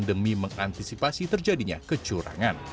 demi mengantisipasi terjadinya kecurangan